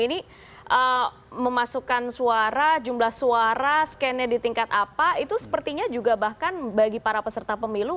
ini memasukkan suara jumlah suara scan nya di tingkat apa itu sepertinya juga bahkan bagi para peserta pemilu